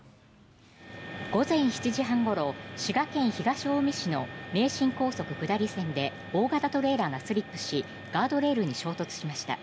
午前７時半ごろ滋賀県東近江市の名神高速下り線で大型トレーラーがスリップしガードレールに衝突しました。